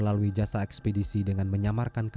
lalu jerat pun dipasang